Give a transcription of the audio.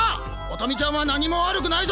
音美ちゃんは何も悪くないぞ！